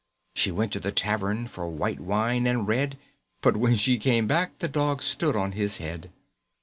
She went to the tavern For white wine and red, But when she came back The Dog stood on his head.